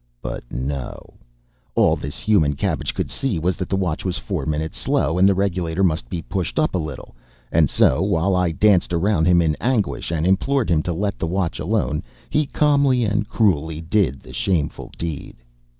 But no; all this human cabbage could see was that the watch was four minutes slow, and the regulator must be pushed up a little; and so, while I danced around him in anguish, and implored him to let the watch alone, he calmly and cruelly did the shameful deed.